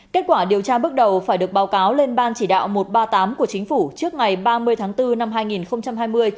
kết quả điều tra bước đầu phải được báo cáo lên ban chỉ đạo một trăm ba mươi tám của chính phủ trước ngày ba mươi tháng bốn năm hai nghìn hai mươi